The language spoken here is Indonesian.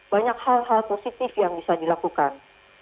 banyak hal hal positif yang bisa dilakukan